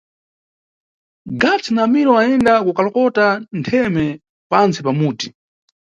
Gatsi na Amiro ayenda kukalokota ntheme pantsi pa muti.